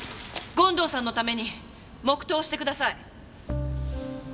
権藤さんのために黙祷をしてください。